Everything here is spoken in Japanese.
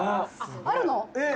「あるの！？